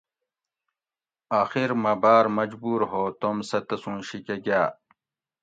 آخر مہ باۤر مجبوُر ہو توم سہۤ تسُوں شی کہ گاۤ